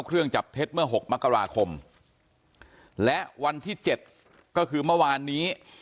เครื่องจับเท็จเมื่อ๖มกราคมและวันที่เจ็ดก็คือเมื่อวานนี้